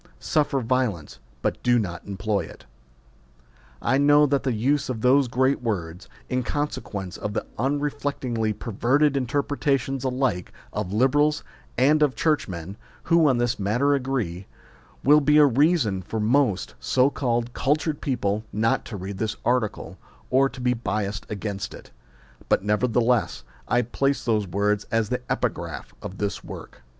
suffer viol ence, but do not employ it. I know that the use of those great words in consequence of the unreflectingly perverted interpretations alike of Liberals and of Churchmen, who on this matter agree will be a reason for most so called cul tured people not to read this article, or to be biassed against it ; but nevertheless I place those words as the epigraph of this work.